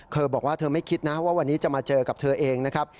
เธอบอกว่าเธอไม่คิดนะว่าวันนี้จะมาเจอกับเธอเองนะครับ